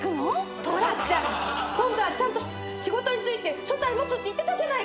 寅ちゃん今度はちゃんと仕事に就いて所帯持つって言ってたじゃない。